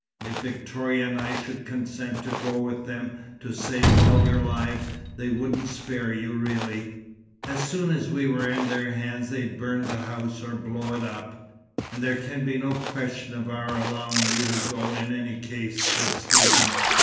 If Victoria and I should consent to go with them, to save all your lives, they wouldn't spare you really. As soon as we were in their hands, they'd burn the house or blow it up." "There can be no question of our allowing you to go, in any case," said Stephen.